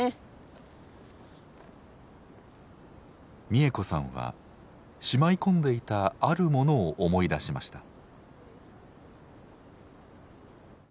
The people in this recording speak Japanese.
三重子さんはしまいこんでいたあるものを思い出しました。